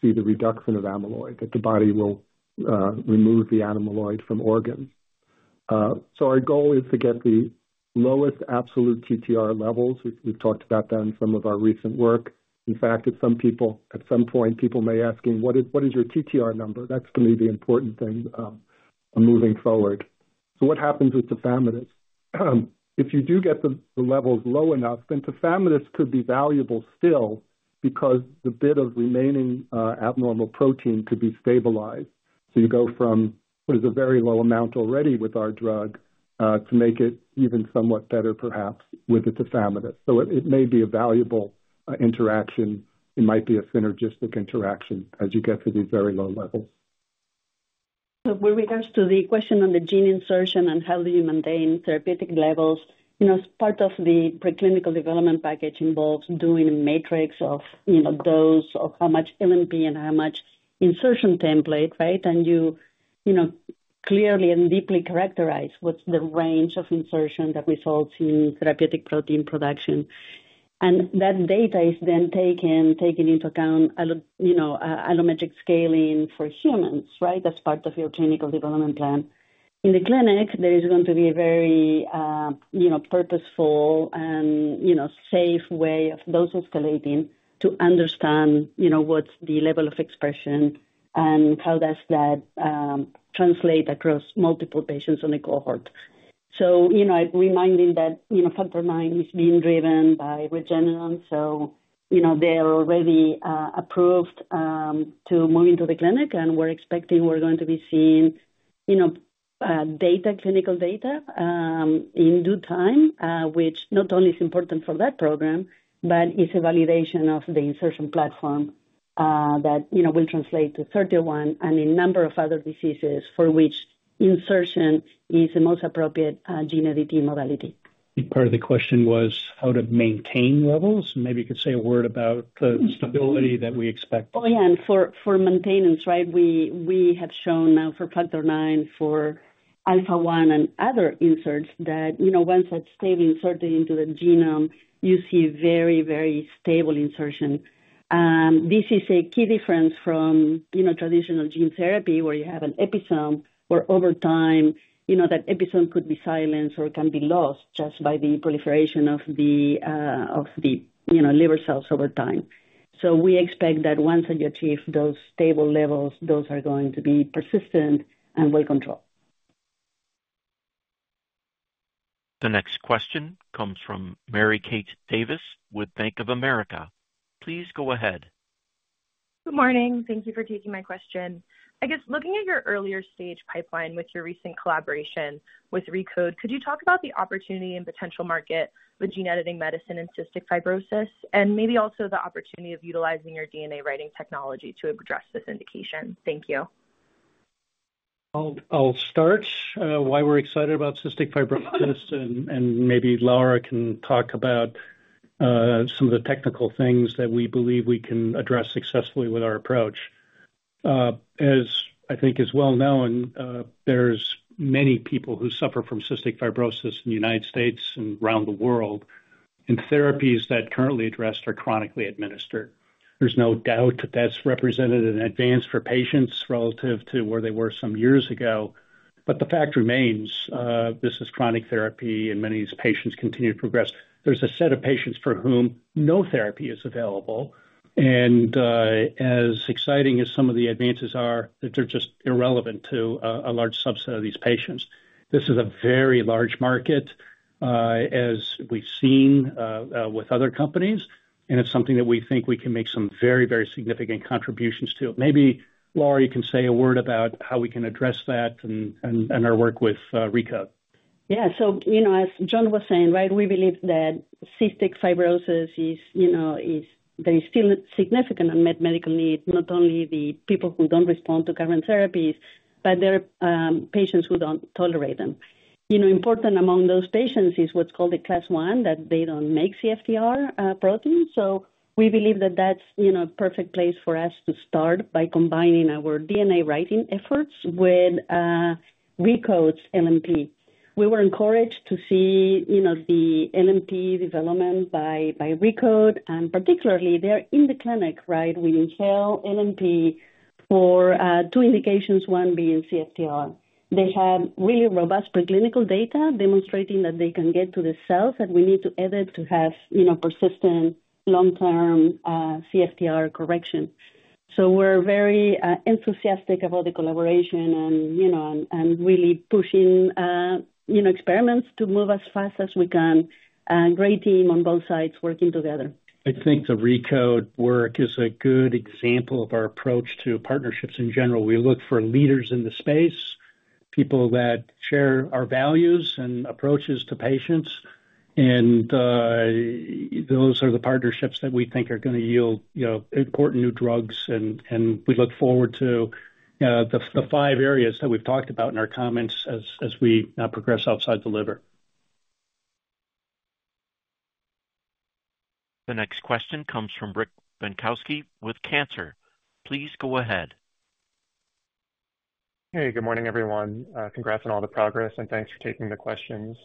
see the reduction of amyloid, that the body will remove the amyloid from organs. So our goal is to get the lowest absolute TTR levels. We've talked about that in some of our recent work. In fact, at some point, people may be asking, "What is your TTR number?" That's, to me, the important thing moving forward. So what happens with tafamidis..? If you do get the levels low enough, then tafamidis.. could be valuable still because the bit of remaining abnormal protein could be stabilized. You go from what is a very low amount already with our drug to make it even somewhat better, perhaps, with the tafamidis... It may be a valuable interaction. It might be a synergistic interaction as you get to these very low levels.
So with regards to the question on the gene insertion and how do you maintain therapeutic levels, part of the preclinical development package involves doing a matrix of dose, of how much LNP, and how much insertion template, right? And you clearly and deeply characterize what's the range of insertion that results in therapeutic protein production. And that data is then taken into account, allometric scaling for humans, right, as part of your clinical development plan. In the clinic, there is going to be a very purposeful and safe way of dose escalating to understand what's the level of expression and how does that translate across multiple patients on the cohort. So, reminding that Factor IX is being driven by Regeneron, so they are already approved to move into the clinic, and we're expecting we're going to be seeing clinical data in due time, which not only is important for that program, but is a validation of the insertion platform that will translate to 31 and a number of other diseases for which insertion is the most appropriate gene editing modality.
Part of the question was how to maintain levels. Maybe you could say a word about the stability that we expect.
Oh, yeah. And for maintenance, right, we have shown now for Factor IX, for alpha-1, and other inserts that once that's stably inserted into the genome, you see very, very stable insertion. This is a key difference from traditional gene therapy where you have an episode where, over time, that episode could be silenced or can be lost just by the proliferation of the liver cells over time. So we expect that once that you achieve those stable levels, those are going to be persistent and well-controlled.
The next question comes from Mary Kate Daly with Bank of America. Please go ahead.
Good morning. Thank you for taking my question. I guess looking at your earlier stage pipeline with your recent collaboration with ReCode, could you talk about the opportunity and potential market with gene editing medicine and cystic fibrosis, and maybe also the opportunity of utilizing your DNA writing technology to address this indication? Thank you.
I'll start. Why we're excited about cystic fibrosis, and maybe Laura can talk about some of the technical things that we believe we can address successfully with our approach. As I think is well known, there's many people who suffer from cystic fibrosis in the United States and around the world. Therapies that currently addressed are chronically administered. There's no doubt that that's represented in advance for patients relative to where they were some years ago. But the fact remains, this is chronic therapy, and many of these patients continue to progress. There's a set of patients for whom no therapy is available. As exciting as some of the advances are, they're just irrelevant to a large subset of these patients. This is a very large market, as we've seen with other companies, and it's something that we think we can make some very, very significant contributions to. Maybe, Laura, you can say a word about how we can address that and our work with ReCode.
Yeah. So as John was saying, right, we believe that cystic fibrosis, there is still significant unmet medical need, not only the people who don't respond to current therapies, but there are patients who don't tolerate them. Important among those patients is what's called the Class I, that they don't make CFTR protein. So we believe that that's a perfect place for us to start by combining our DNA writing efforts with ReCode's LNP. We were encouraged to see the LNP development by ReCode, and particularly, they're in the clinic, right? Their inhalable LNP for two indications, one being CFTR. They have really robust preclinical data demonstrating that they can get to the cells that we need to edit to have persistent, long-term CFTR correction. So we're very enthusiastic about the collaboration and really pushing experiments to move as fast as we can. Great team on both sides working together.
I think the ReCode work is a good example of our approach to partnerships in general. We look for leaders in the space, people that share our values and approaches to patients. Those are the partnerships that we think are going to yield important new drugs. We look forward to the five areas that we've talked about in our comments as we progress outside the liver.
The next question comes from Rick Bienkowski with Cantor Fitzgerald. Please go ahead.
Hey. Good morning, everyone. Congrats on all the progress, and thanks for taking the questions.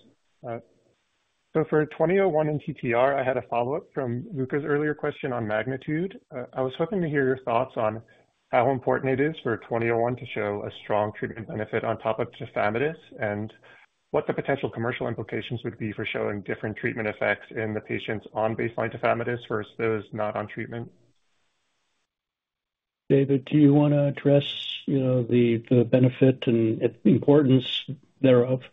So for 2001 and TTR, I had a follow-up from Luca's earlier question on MAGNITUDE. I was hoping to hear your thoughts on how important it is for 2001 to show a strong treatment benefit on top of tafamidis.. and what the potential commercial implications would be for showing different treatment effects in the patients on baseline tafamidis.. versus those not on treatment.
David, do you want to address the benefit and importance thereof?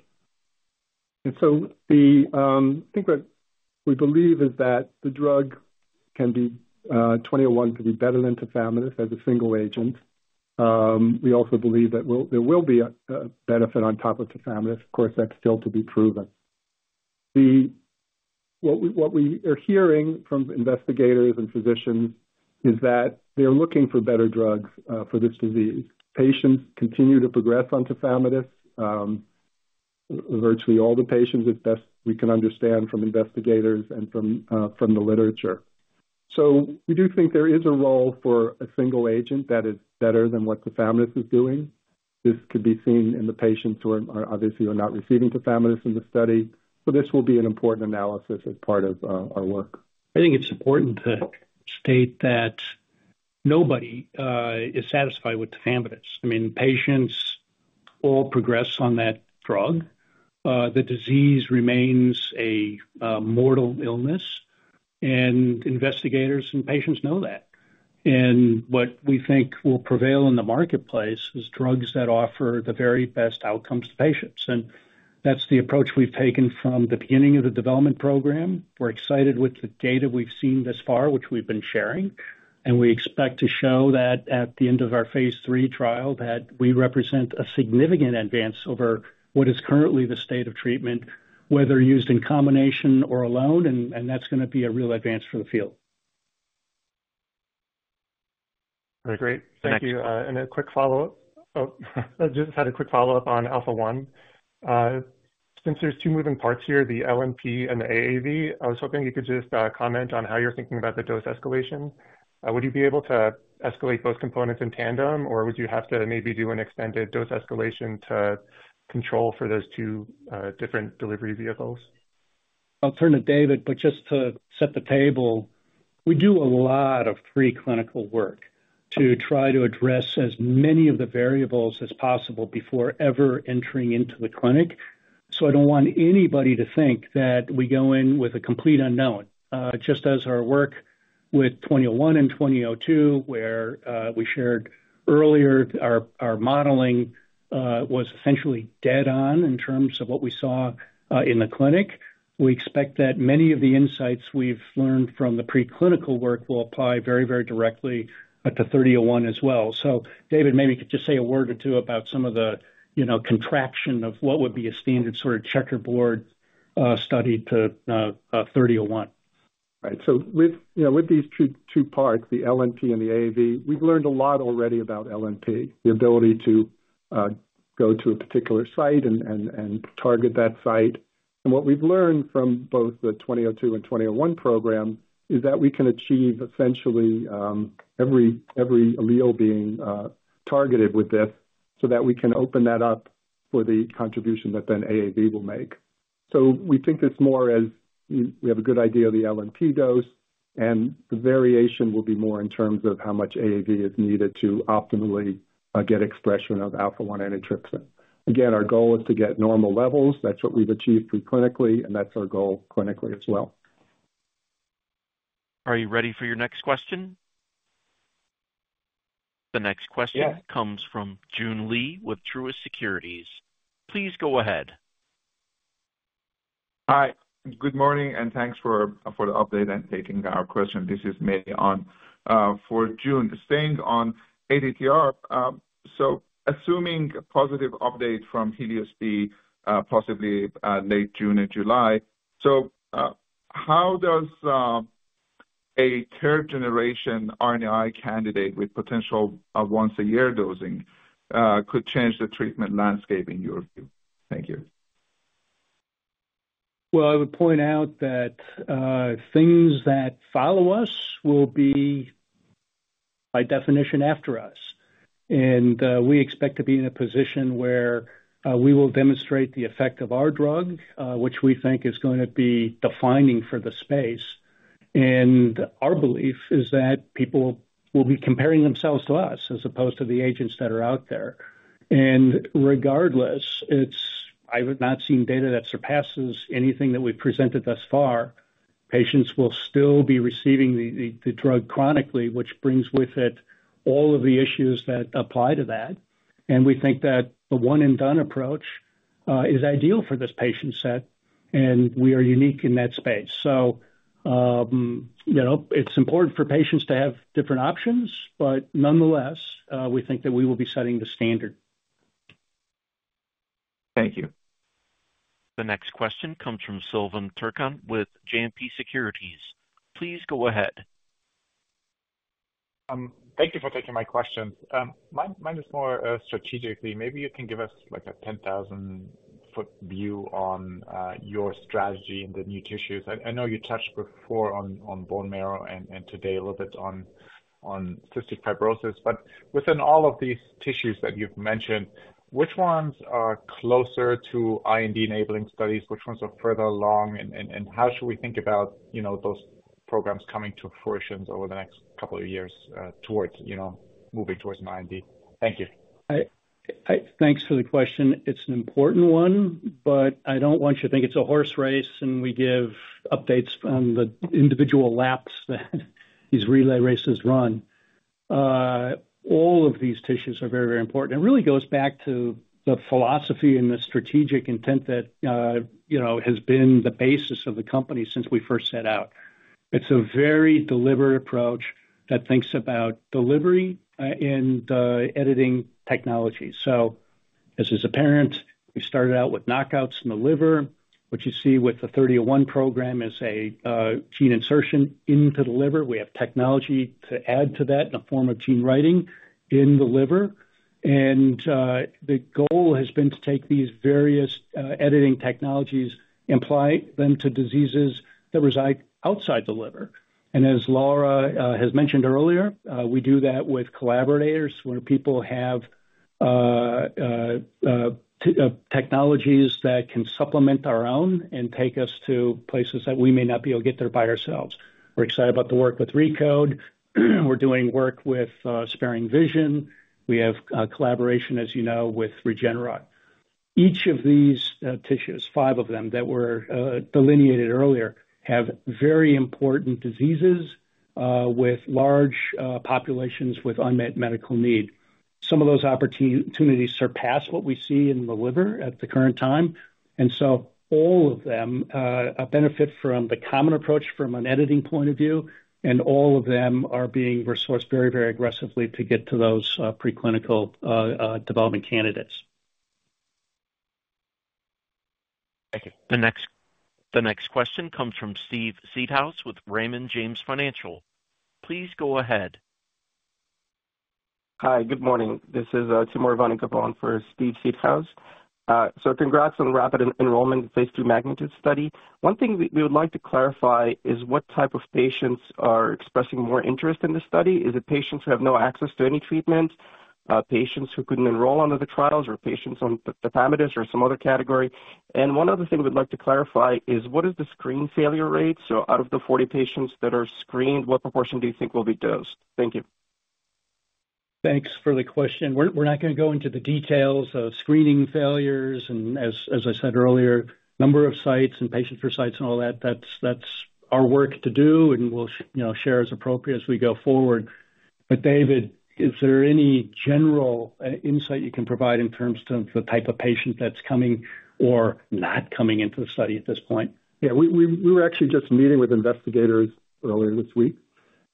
So I think what we believe is that NTLA-2001 can be better than tafamidis.. as a single agent. We also believe that there will be a benefit on top of tafamidis... Of course, that's still to be proven. What we are hearing from investigators and physicians is that they're looking for better drugs for this disease. Patients continue to progress on tafamidis... Virtually all the patients, as best we can understand from investigators and from the literature. So we do think there is a role for a single agent that is better than what tafamidis.. is doing. This could be seen in the patients who are obviously not receiving tafamidis.. in the study. So this will be an important analysis as part of our work.
I think it's important to state that nobody is satisfied with tafamidis... I mean, patients all progress on that drug. The disease remains a mortal illness, and investigators and patients know that. And what we think will prevail in the marketplace is drugs that offer the very best outcomes to patients. And that's the approach we've taken from the beginning of the development program. We're excited with the data we've seen thus far, which we've been sharing. And we expect to show that at the end of our phase III trial, that we represent a significant advance over what is currently the state of treatment, whether used in combination or alone. And that's going to be a real advance for the field.
Very great. Thank you. And a quick follow-up. I just had a quick follow-up on alpha-1. Since there's two moving parts here, the LNP and the AAV, I was hoping you could just comment on how you're thinking about the dose escalation. Would you be able to escalate both components in tandem, or would you have to maybe do an extended dose escalation to control for those two different delivery vehicles?
I'll turn to David. But just to set the table, we do a lot of preclinical work to try to address as many of the variables as possible before ever entering into the clinic. So I don't want anybody to think that we go in with a complete unknown. Just as our work with 2001 and 2002, where we shared earlier, our modeling was essentially dead on in terms of what we saw in the clinic, we expect that many of the insights we've learned from the preclinical work will apply very, very directly to 3001 as well. So David, maybe you could just say a word or two about some of the contraction of what would be a standard sort of checkerboard study to 3001.
Right. So with these two parts, the LNP and the AAV, we've learned a lot already about LNP, the ability to go to a particular site and target that site. And what we've learned from both the 2002 and 2001 program is that we can achieve essentially every allele being targeted with this so that we can open that up for the contribution that then AAV will make. So we think it's more as we have a good idea of the LNP dose, and the variation will be more in terms of how much AAV is needed to optimally get expression of alpha-1 antitrypsin. Again, our goal is to get normal levels. That's what we've achieved preclinically, and that's our goal clinically as well.
Are you ready for your next question? The next question comes from Joon Lee with Truist Securities. Please go ahead.
Hi. Good morning, and thanks for the update and taking our question. This is Mian Wang. For June, staying on ATTR, so assuming positive update from HELIOS-B, possibly late June and July, so how does a third-generation RNAi candidate with potential once-a-year dosing could change the treatment landscape in your view? Thank you.
Well, I would point out that things that follow us will be, by definition, after us. We expect to be in a position where we will demonstrate the effect of our drug, which we think is going to be defining for the space. Our belief is that people will be comparing themselves to us as opposed to the agents that are out there. Regardless, I have not seen data that surpasses anything that we've presented thus far. Patients will still be receiving the drug chronically, which brings with it all of the issues that apply to that. We think that the one-and-done approach is ideal for this patient set, and we are unique in that space. It's important for patients to have different options, but nonetheless, we think that we will be setting the standard.
Thank you.
The next question comes from Silvan Tuerkcan with JMP Securities. Please go ahead.
Thank you for taking my questions. Mine is more strategically. Maybe you can give us a 10,000-foot view on your strategy in the new tissues. I know you touched before on bone marrow and today a little bit on cystic fibrosis. But within all of these tissues that you've mentioned, which ones are closer to IND-enabling studies? Which ones are further along? And how should we think about those programs coming to fruition over the next couple of years moving towards an IND? Thank you.
Thanks for the question. It's an important one, but I don't want you to think it's a horse race and we give updates on the individual laps that these relay races run. All of these tissues are very, very important. It really goes back to the philosophy and the strategic intent that has been the basis of the company since we first set out. It's a very deliberate approach that thinks about delivery and editing technology. So as is apparent, we started out with knockouts in the liver. What you see with the 3001 program is a gene insertion into the liver. We have technology to add to that in the form of gene writing in the liver. And the goal has been to take these various editing technologies, apply them to diseases that reside outside the liver. As Laura has mentioned earlier, we do that with collaborators where people have technologies that can supplement our own and take us to places that we may not be able to get there by ourselves. We're excited about the work with ReCode. We're doing work with SparingVision. We have collaboration, as you know, with Regeneron. Each of these tissues, five of them that were delineated earlier, have very important diseases with large populations with unmet medical need. Some of those opportunities surpass what we see in the liver at the current time. And so all of them benefit from the common approach from an editing point of view. And all of them are being resourced very, very aggressively to get to those preclinical development candidates.
Thank you. The next question comes from Steve Seedhouse with Raymond James Financial. Please go ahead.
Hi. Good morning. This is Timur Ivannikov for Steve Seedhouse. So congrats on the rapid enrollment phase III MAGNITUDE study. One thing we would like to clarify is what type of patients are expressing more interest in the study? Is it patients who have no access to any treatment, patients who couldn't enroll under the trials, or patients on tafamidis.. or some other category? And one other thing we'd like to clarify is what is the screen failure rate? So out of the 40 patients that are screened, what proportion do you think will be dosed? Thank you.
Thanks for the question. We're not going to go into the details of screening failures. As I said earlier, number of sites and patients for sites and all that, that's our work to do, and we'll share as appropriate as we go forward. But David, is there any general insight you can provide in terms of the type of patient that's coming or not coming into the study at this point?
Yeah. We were actually just meeting with investigators earlier this week.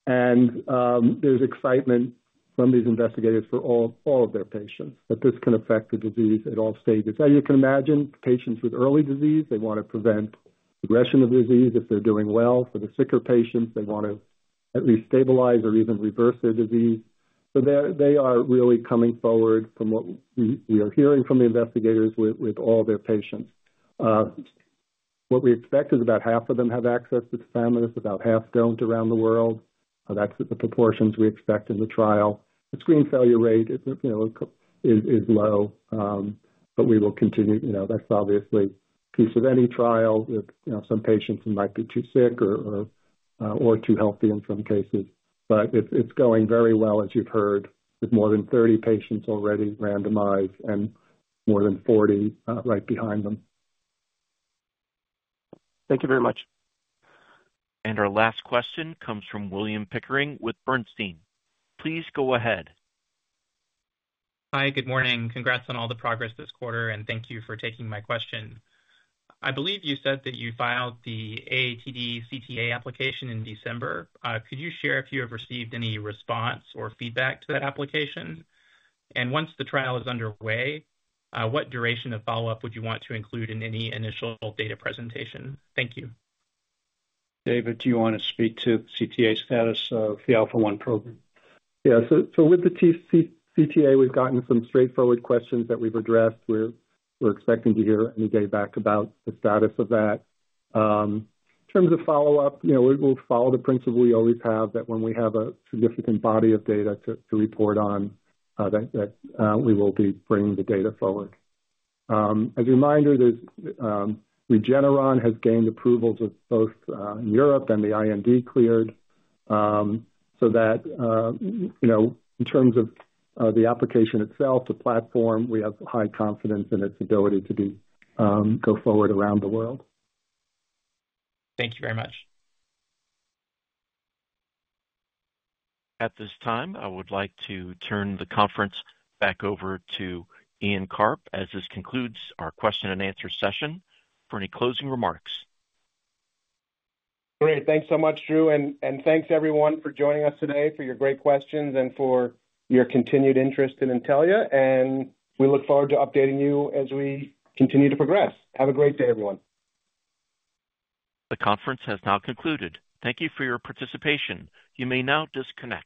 There's excitement from these investigators for all of their patients, that this can affect the disease at all stages. As you can imagine, patients with early disease, they want to prevent progression of disease if they're doing well. For the sicker patients, they want to at least stabilize or even reverse their disease. They are really coming forward from what we are hearing from the investigators with all their patients. What we expect is about half of them have access to tafamidis.., about half don't around the world. That's the proportions we expect in the trial. The screen failure rate is low, but we will continue. That's obviously a piece of any trial with some patients who might be too sick or too healthy in some cases. It's going very well, as you've heard, with more than 30 patients already randomized and more than 40 right behind them.
Thank you very much. Our last question comes from William Pickering with Bernstein. Please go ahead.
Hi. Good morning. Congrats on all the progress this quarter, and thank you for taking my question. I believe you said that you filed the AATD-CTA application in December. Could you share if you have received any response or feedback to that application? And once the trial is underway, what duration of follow-up would you want to include in any initial data presentation? Thank you.
David, do you want to speak to the CTA status of the alpha-1 program?
Yeah. So with the CTA, we've gotten some straightforward questions that we've addressed. We're expecting to hear any day back about the status of that. In terms of follow-up, we'll follow the principle we always have that when we have a significant body of data to report on, that we will be bringing the data forward. As a reminder, Regeneron has gained approvals both in Europe and the IND cleared. So that in terms of the application itself, the platform, we have high confidence in its ability to go forward around the world.
Thank you very much.
At this time, I would like to turn the conference back over to Ian Karp as this concludes our question-and-answer session. For any closing remarks.
Great. Thanks so much, Drew. And thanks, everyone, for joining us today, for your great questions, and for your continued interest in Intellia. And we look forward to updating you as we continue to progress. Have a great day, everyone.
The conference has now concluded. Thank you for your participation. You may now disconnect.